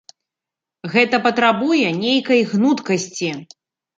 Гэта патрабуе нейкай гнуткасці.